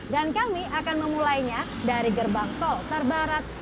dan kami akan memulainya dari gerbang tol terbarat